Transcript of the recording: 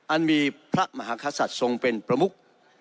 อันมีพระมหากษัตริย์ทรงเป็นประมุก